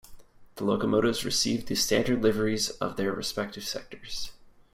The locomotives received the standard liveries of their respective sectors.